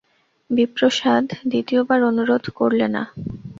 বিপ্রদাস দ্বিতীয়বার অনুরোধ করলে না।